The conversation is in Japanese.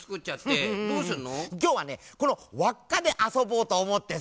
きょうはねこのわっかであそうぼうとおもってさ。